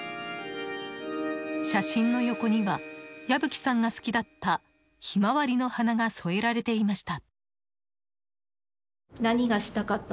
写真の横には矢吹さんが好きだったヒマワリの花が添えられていました。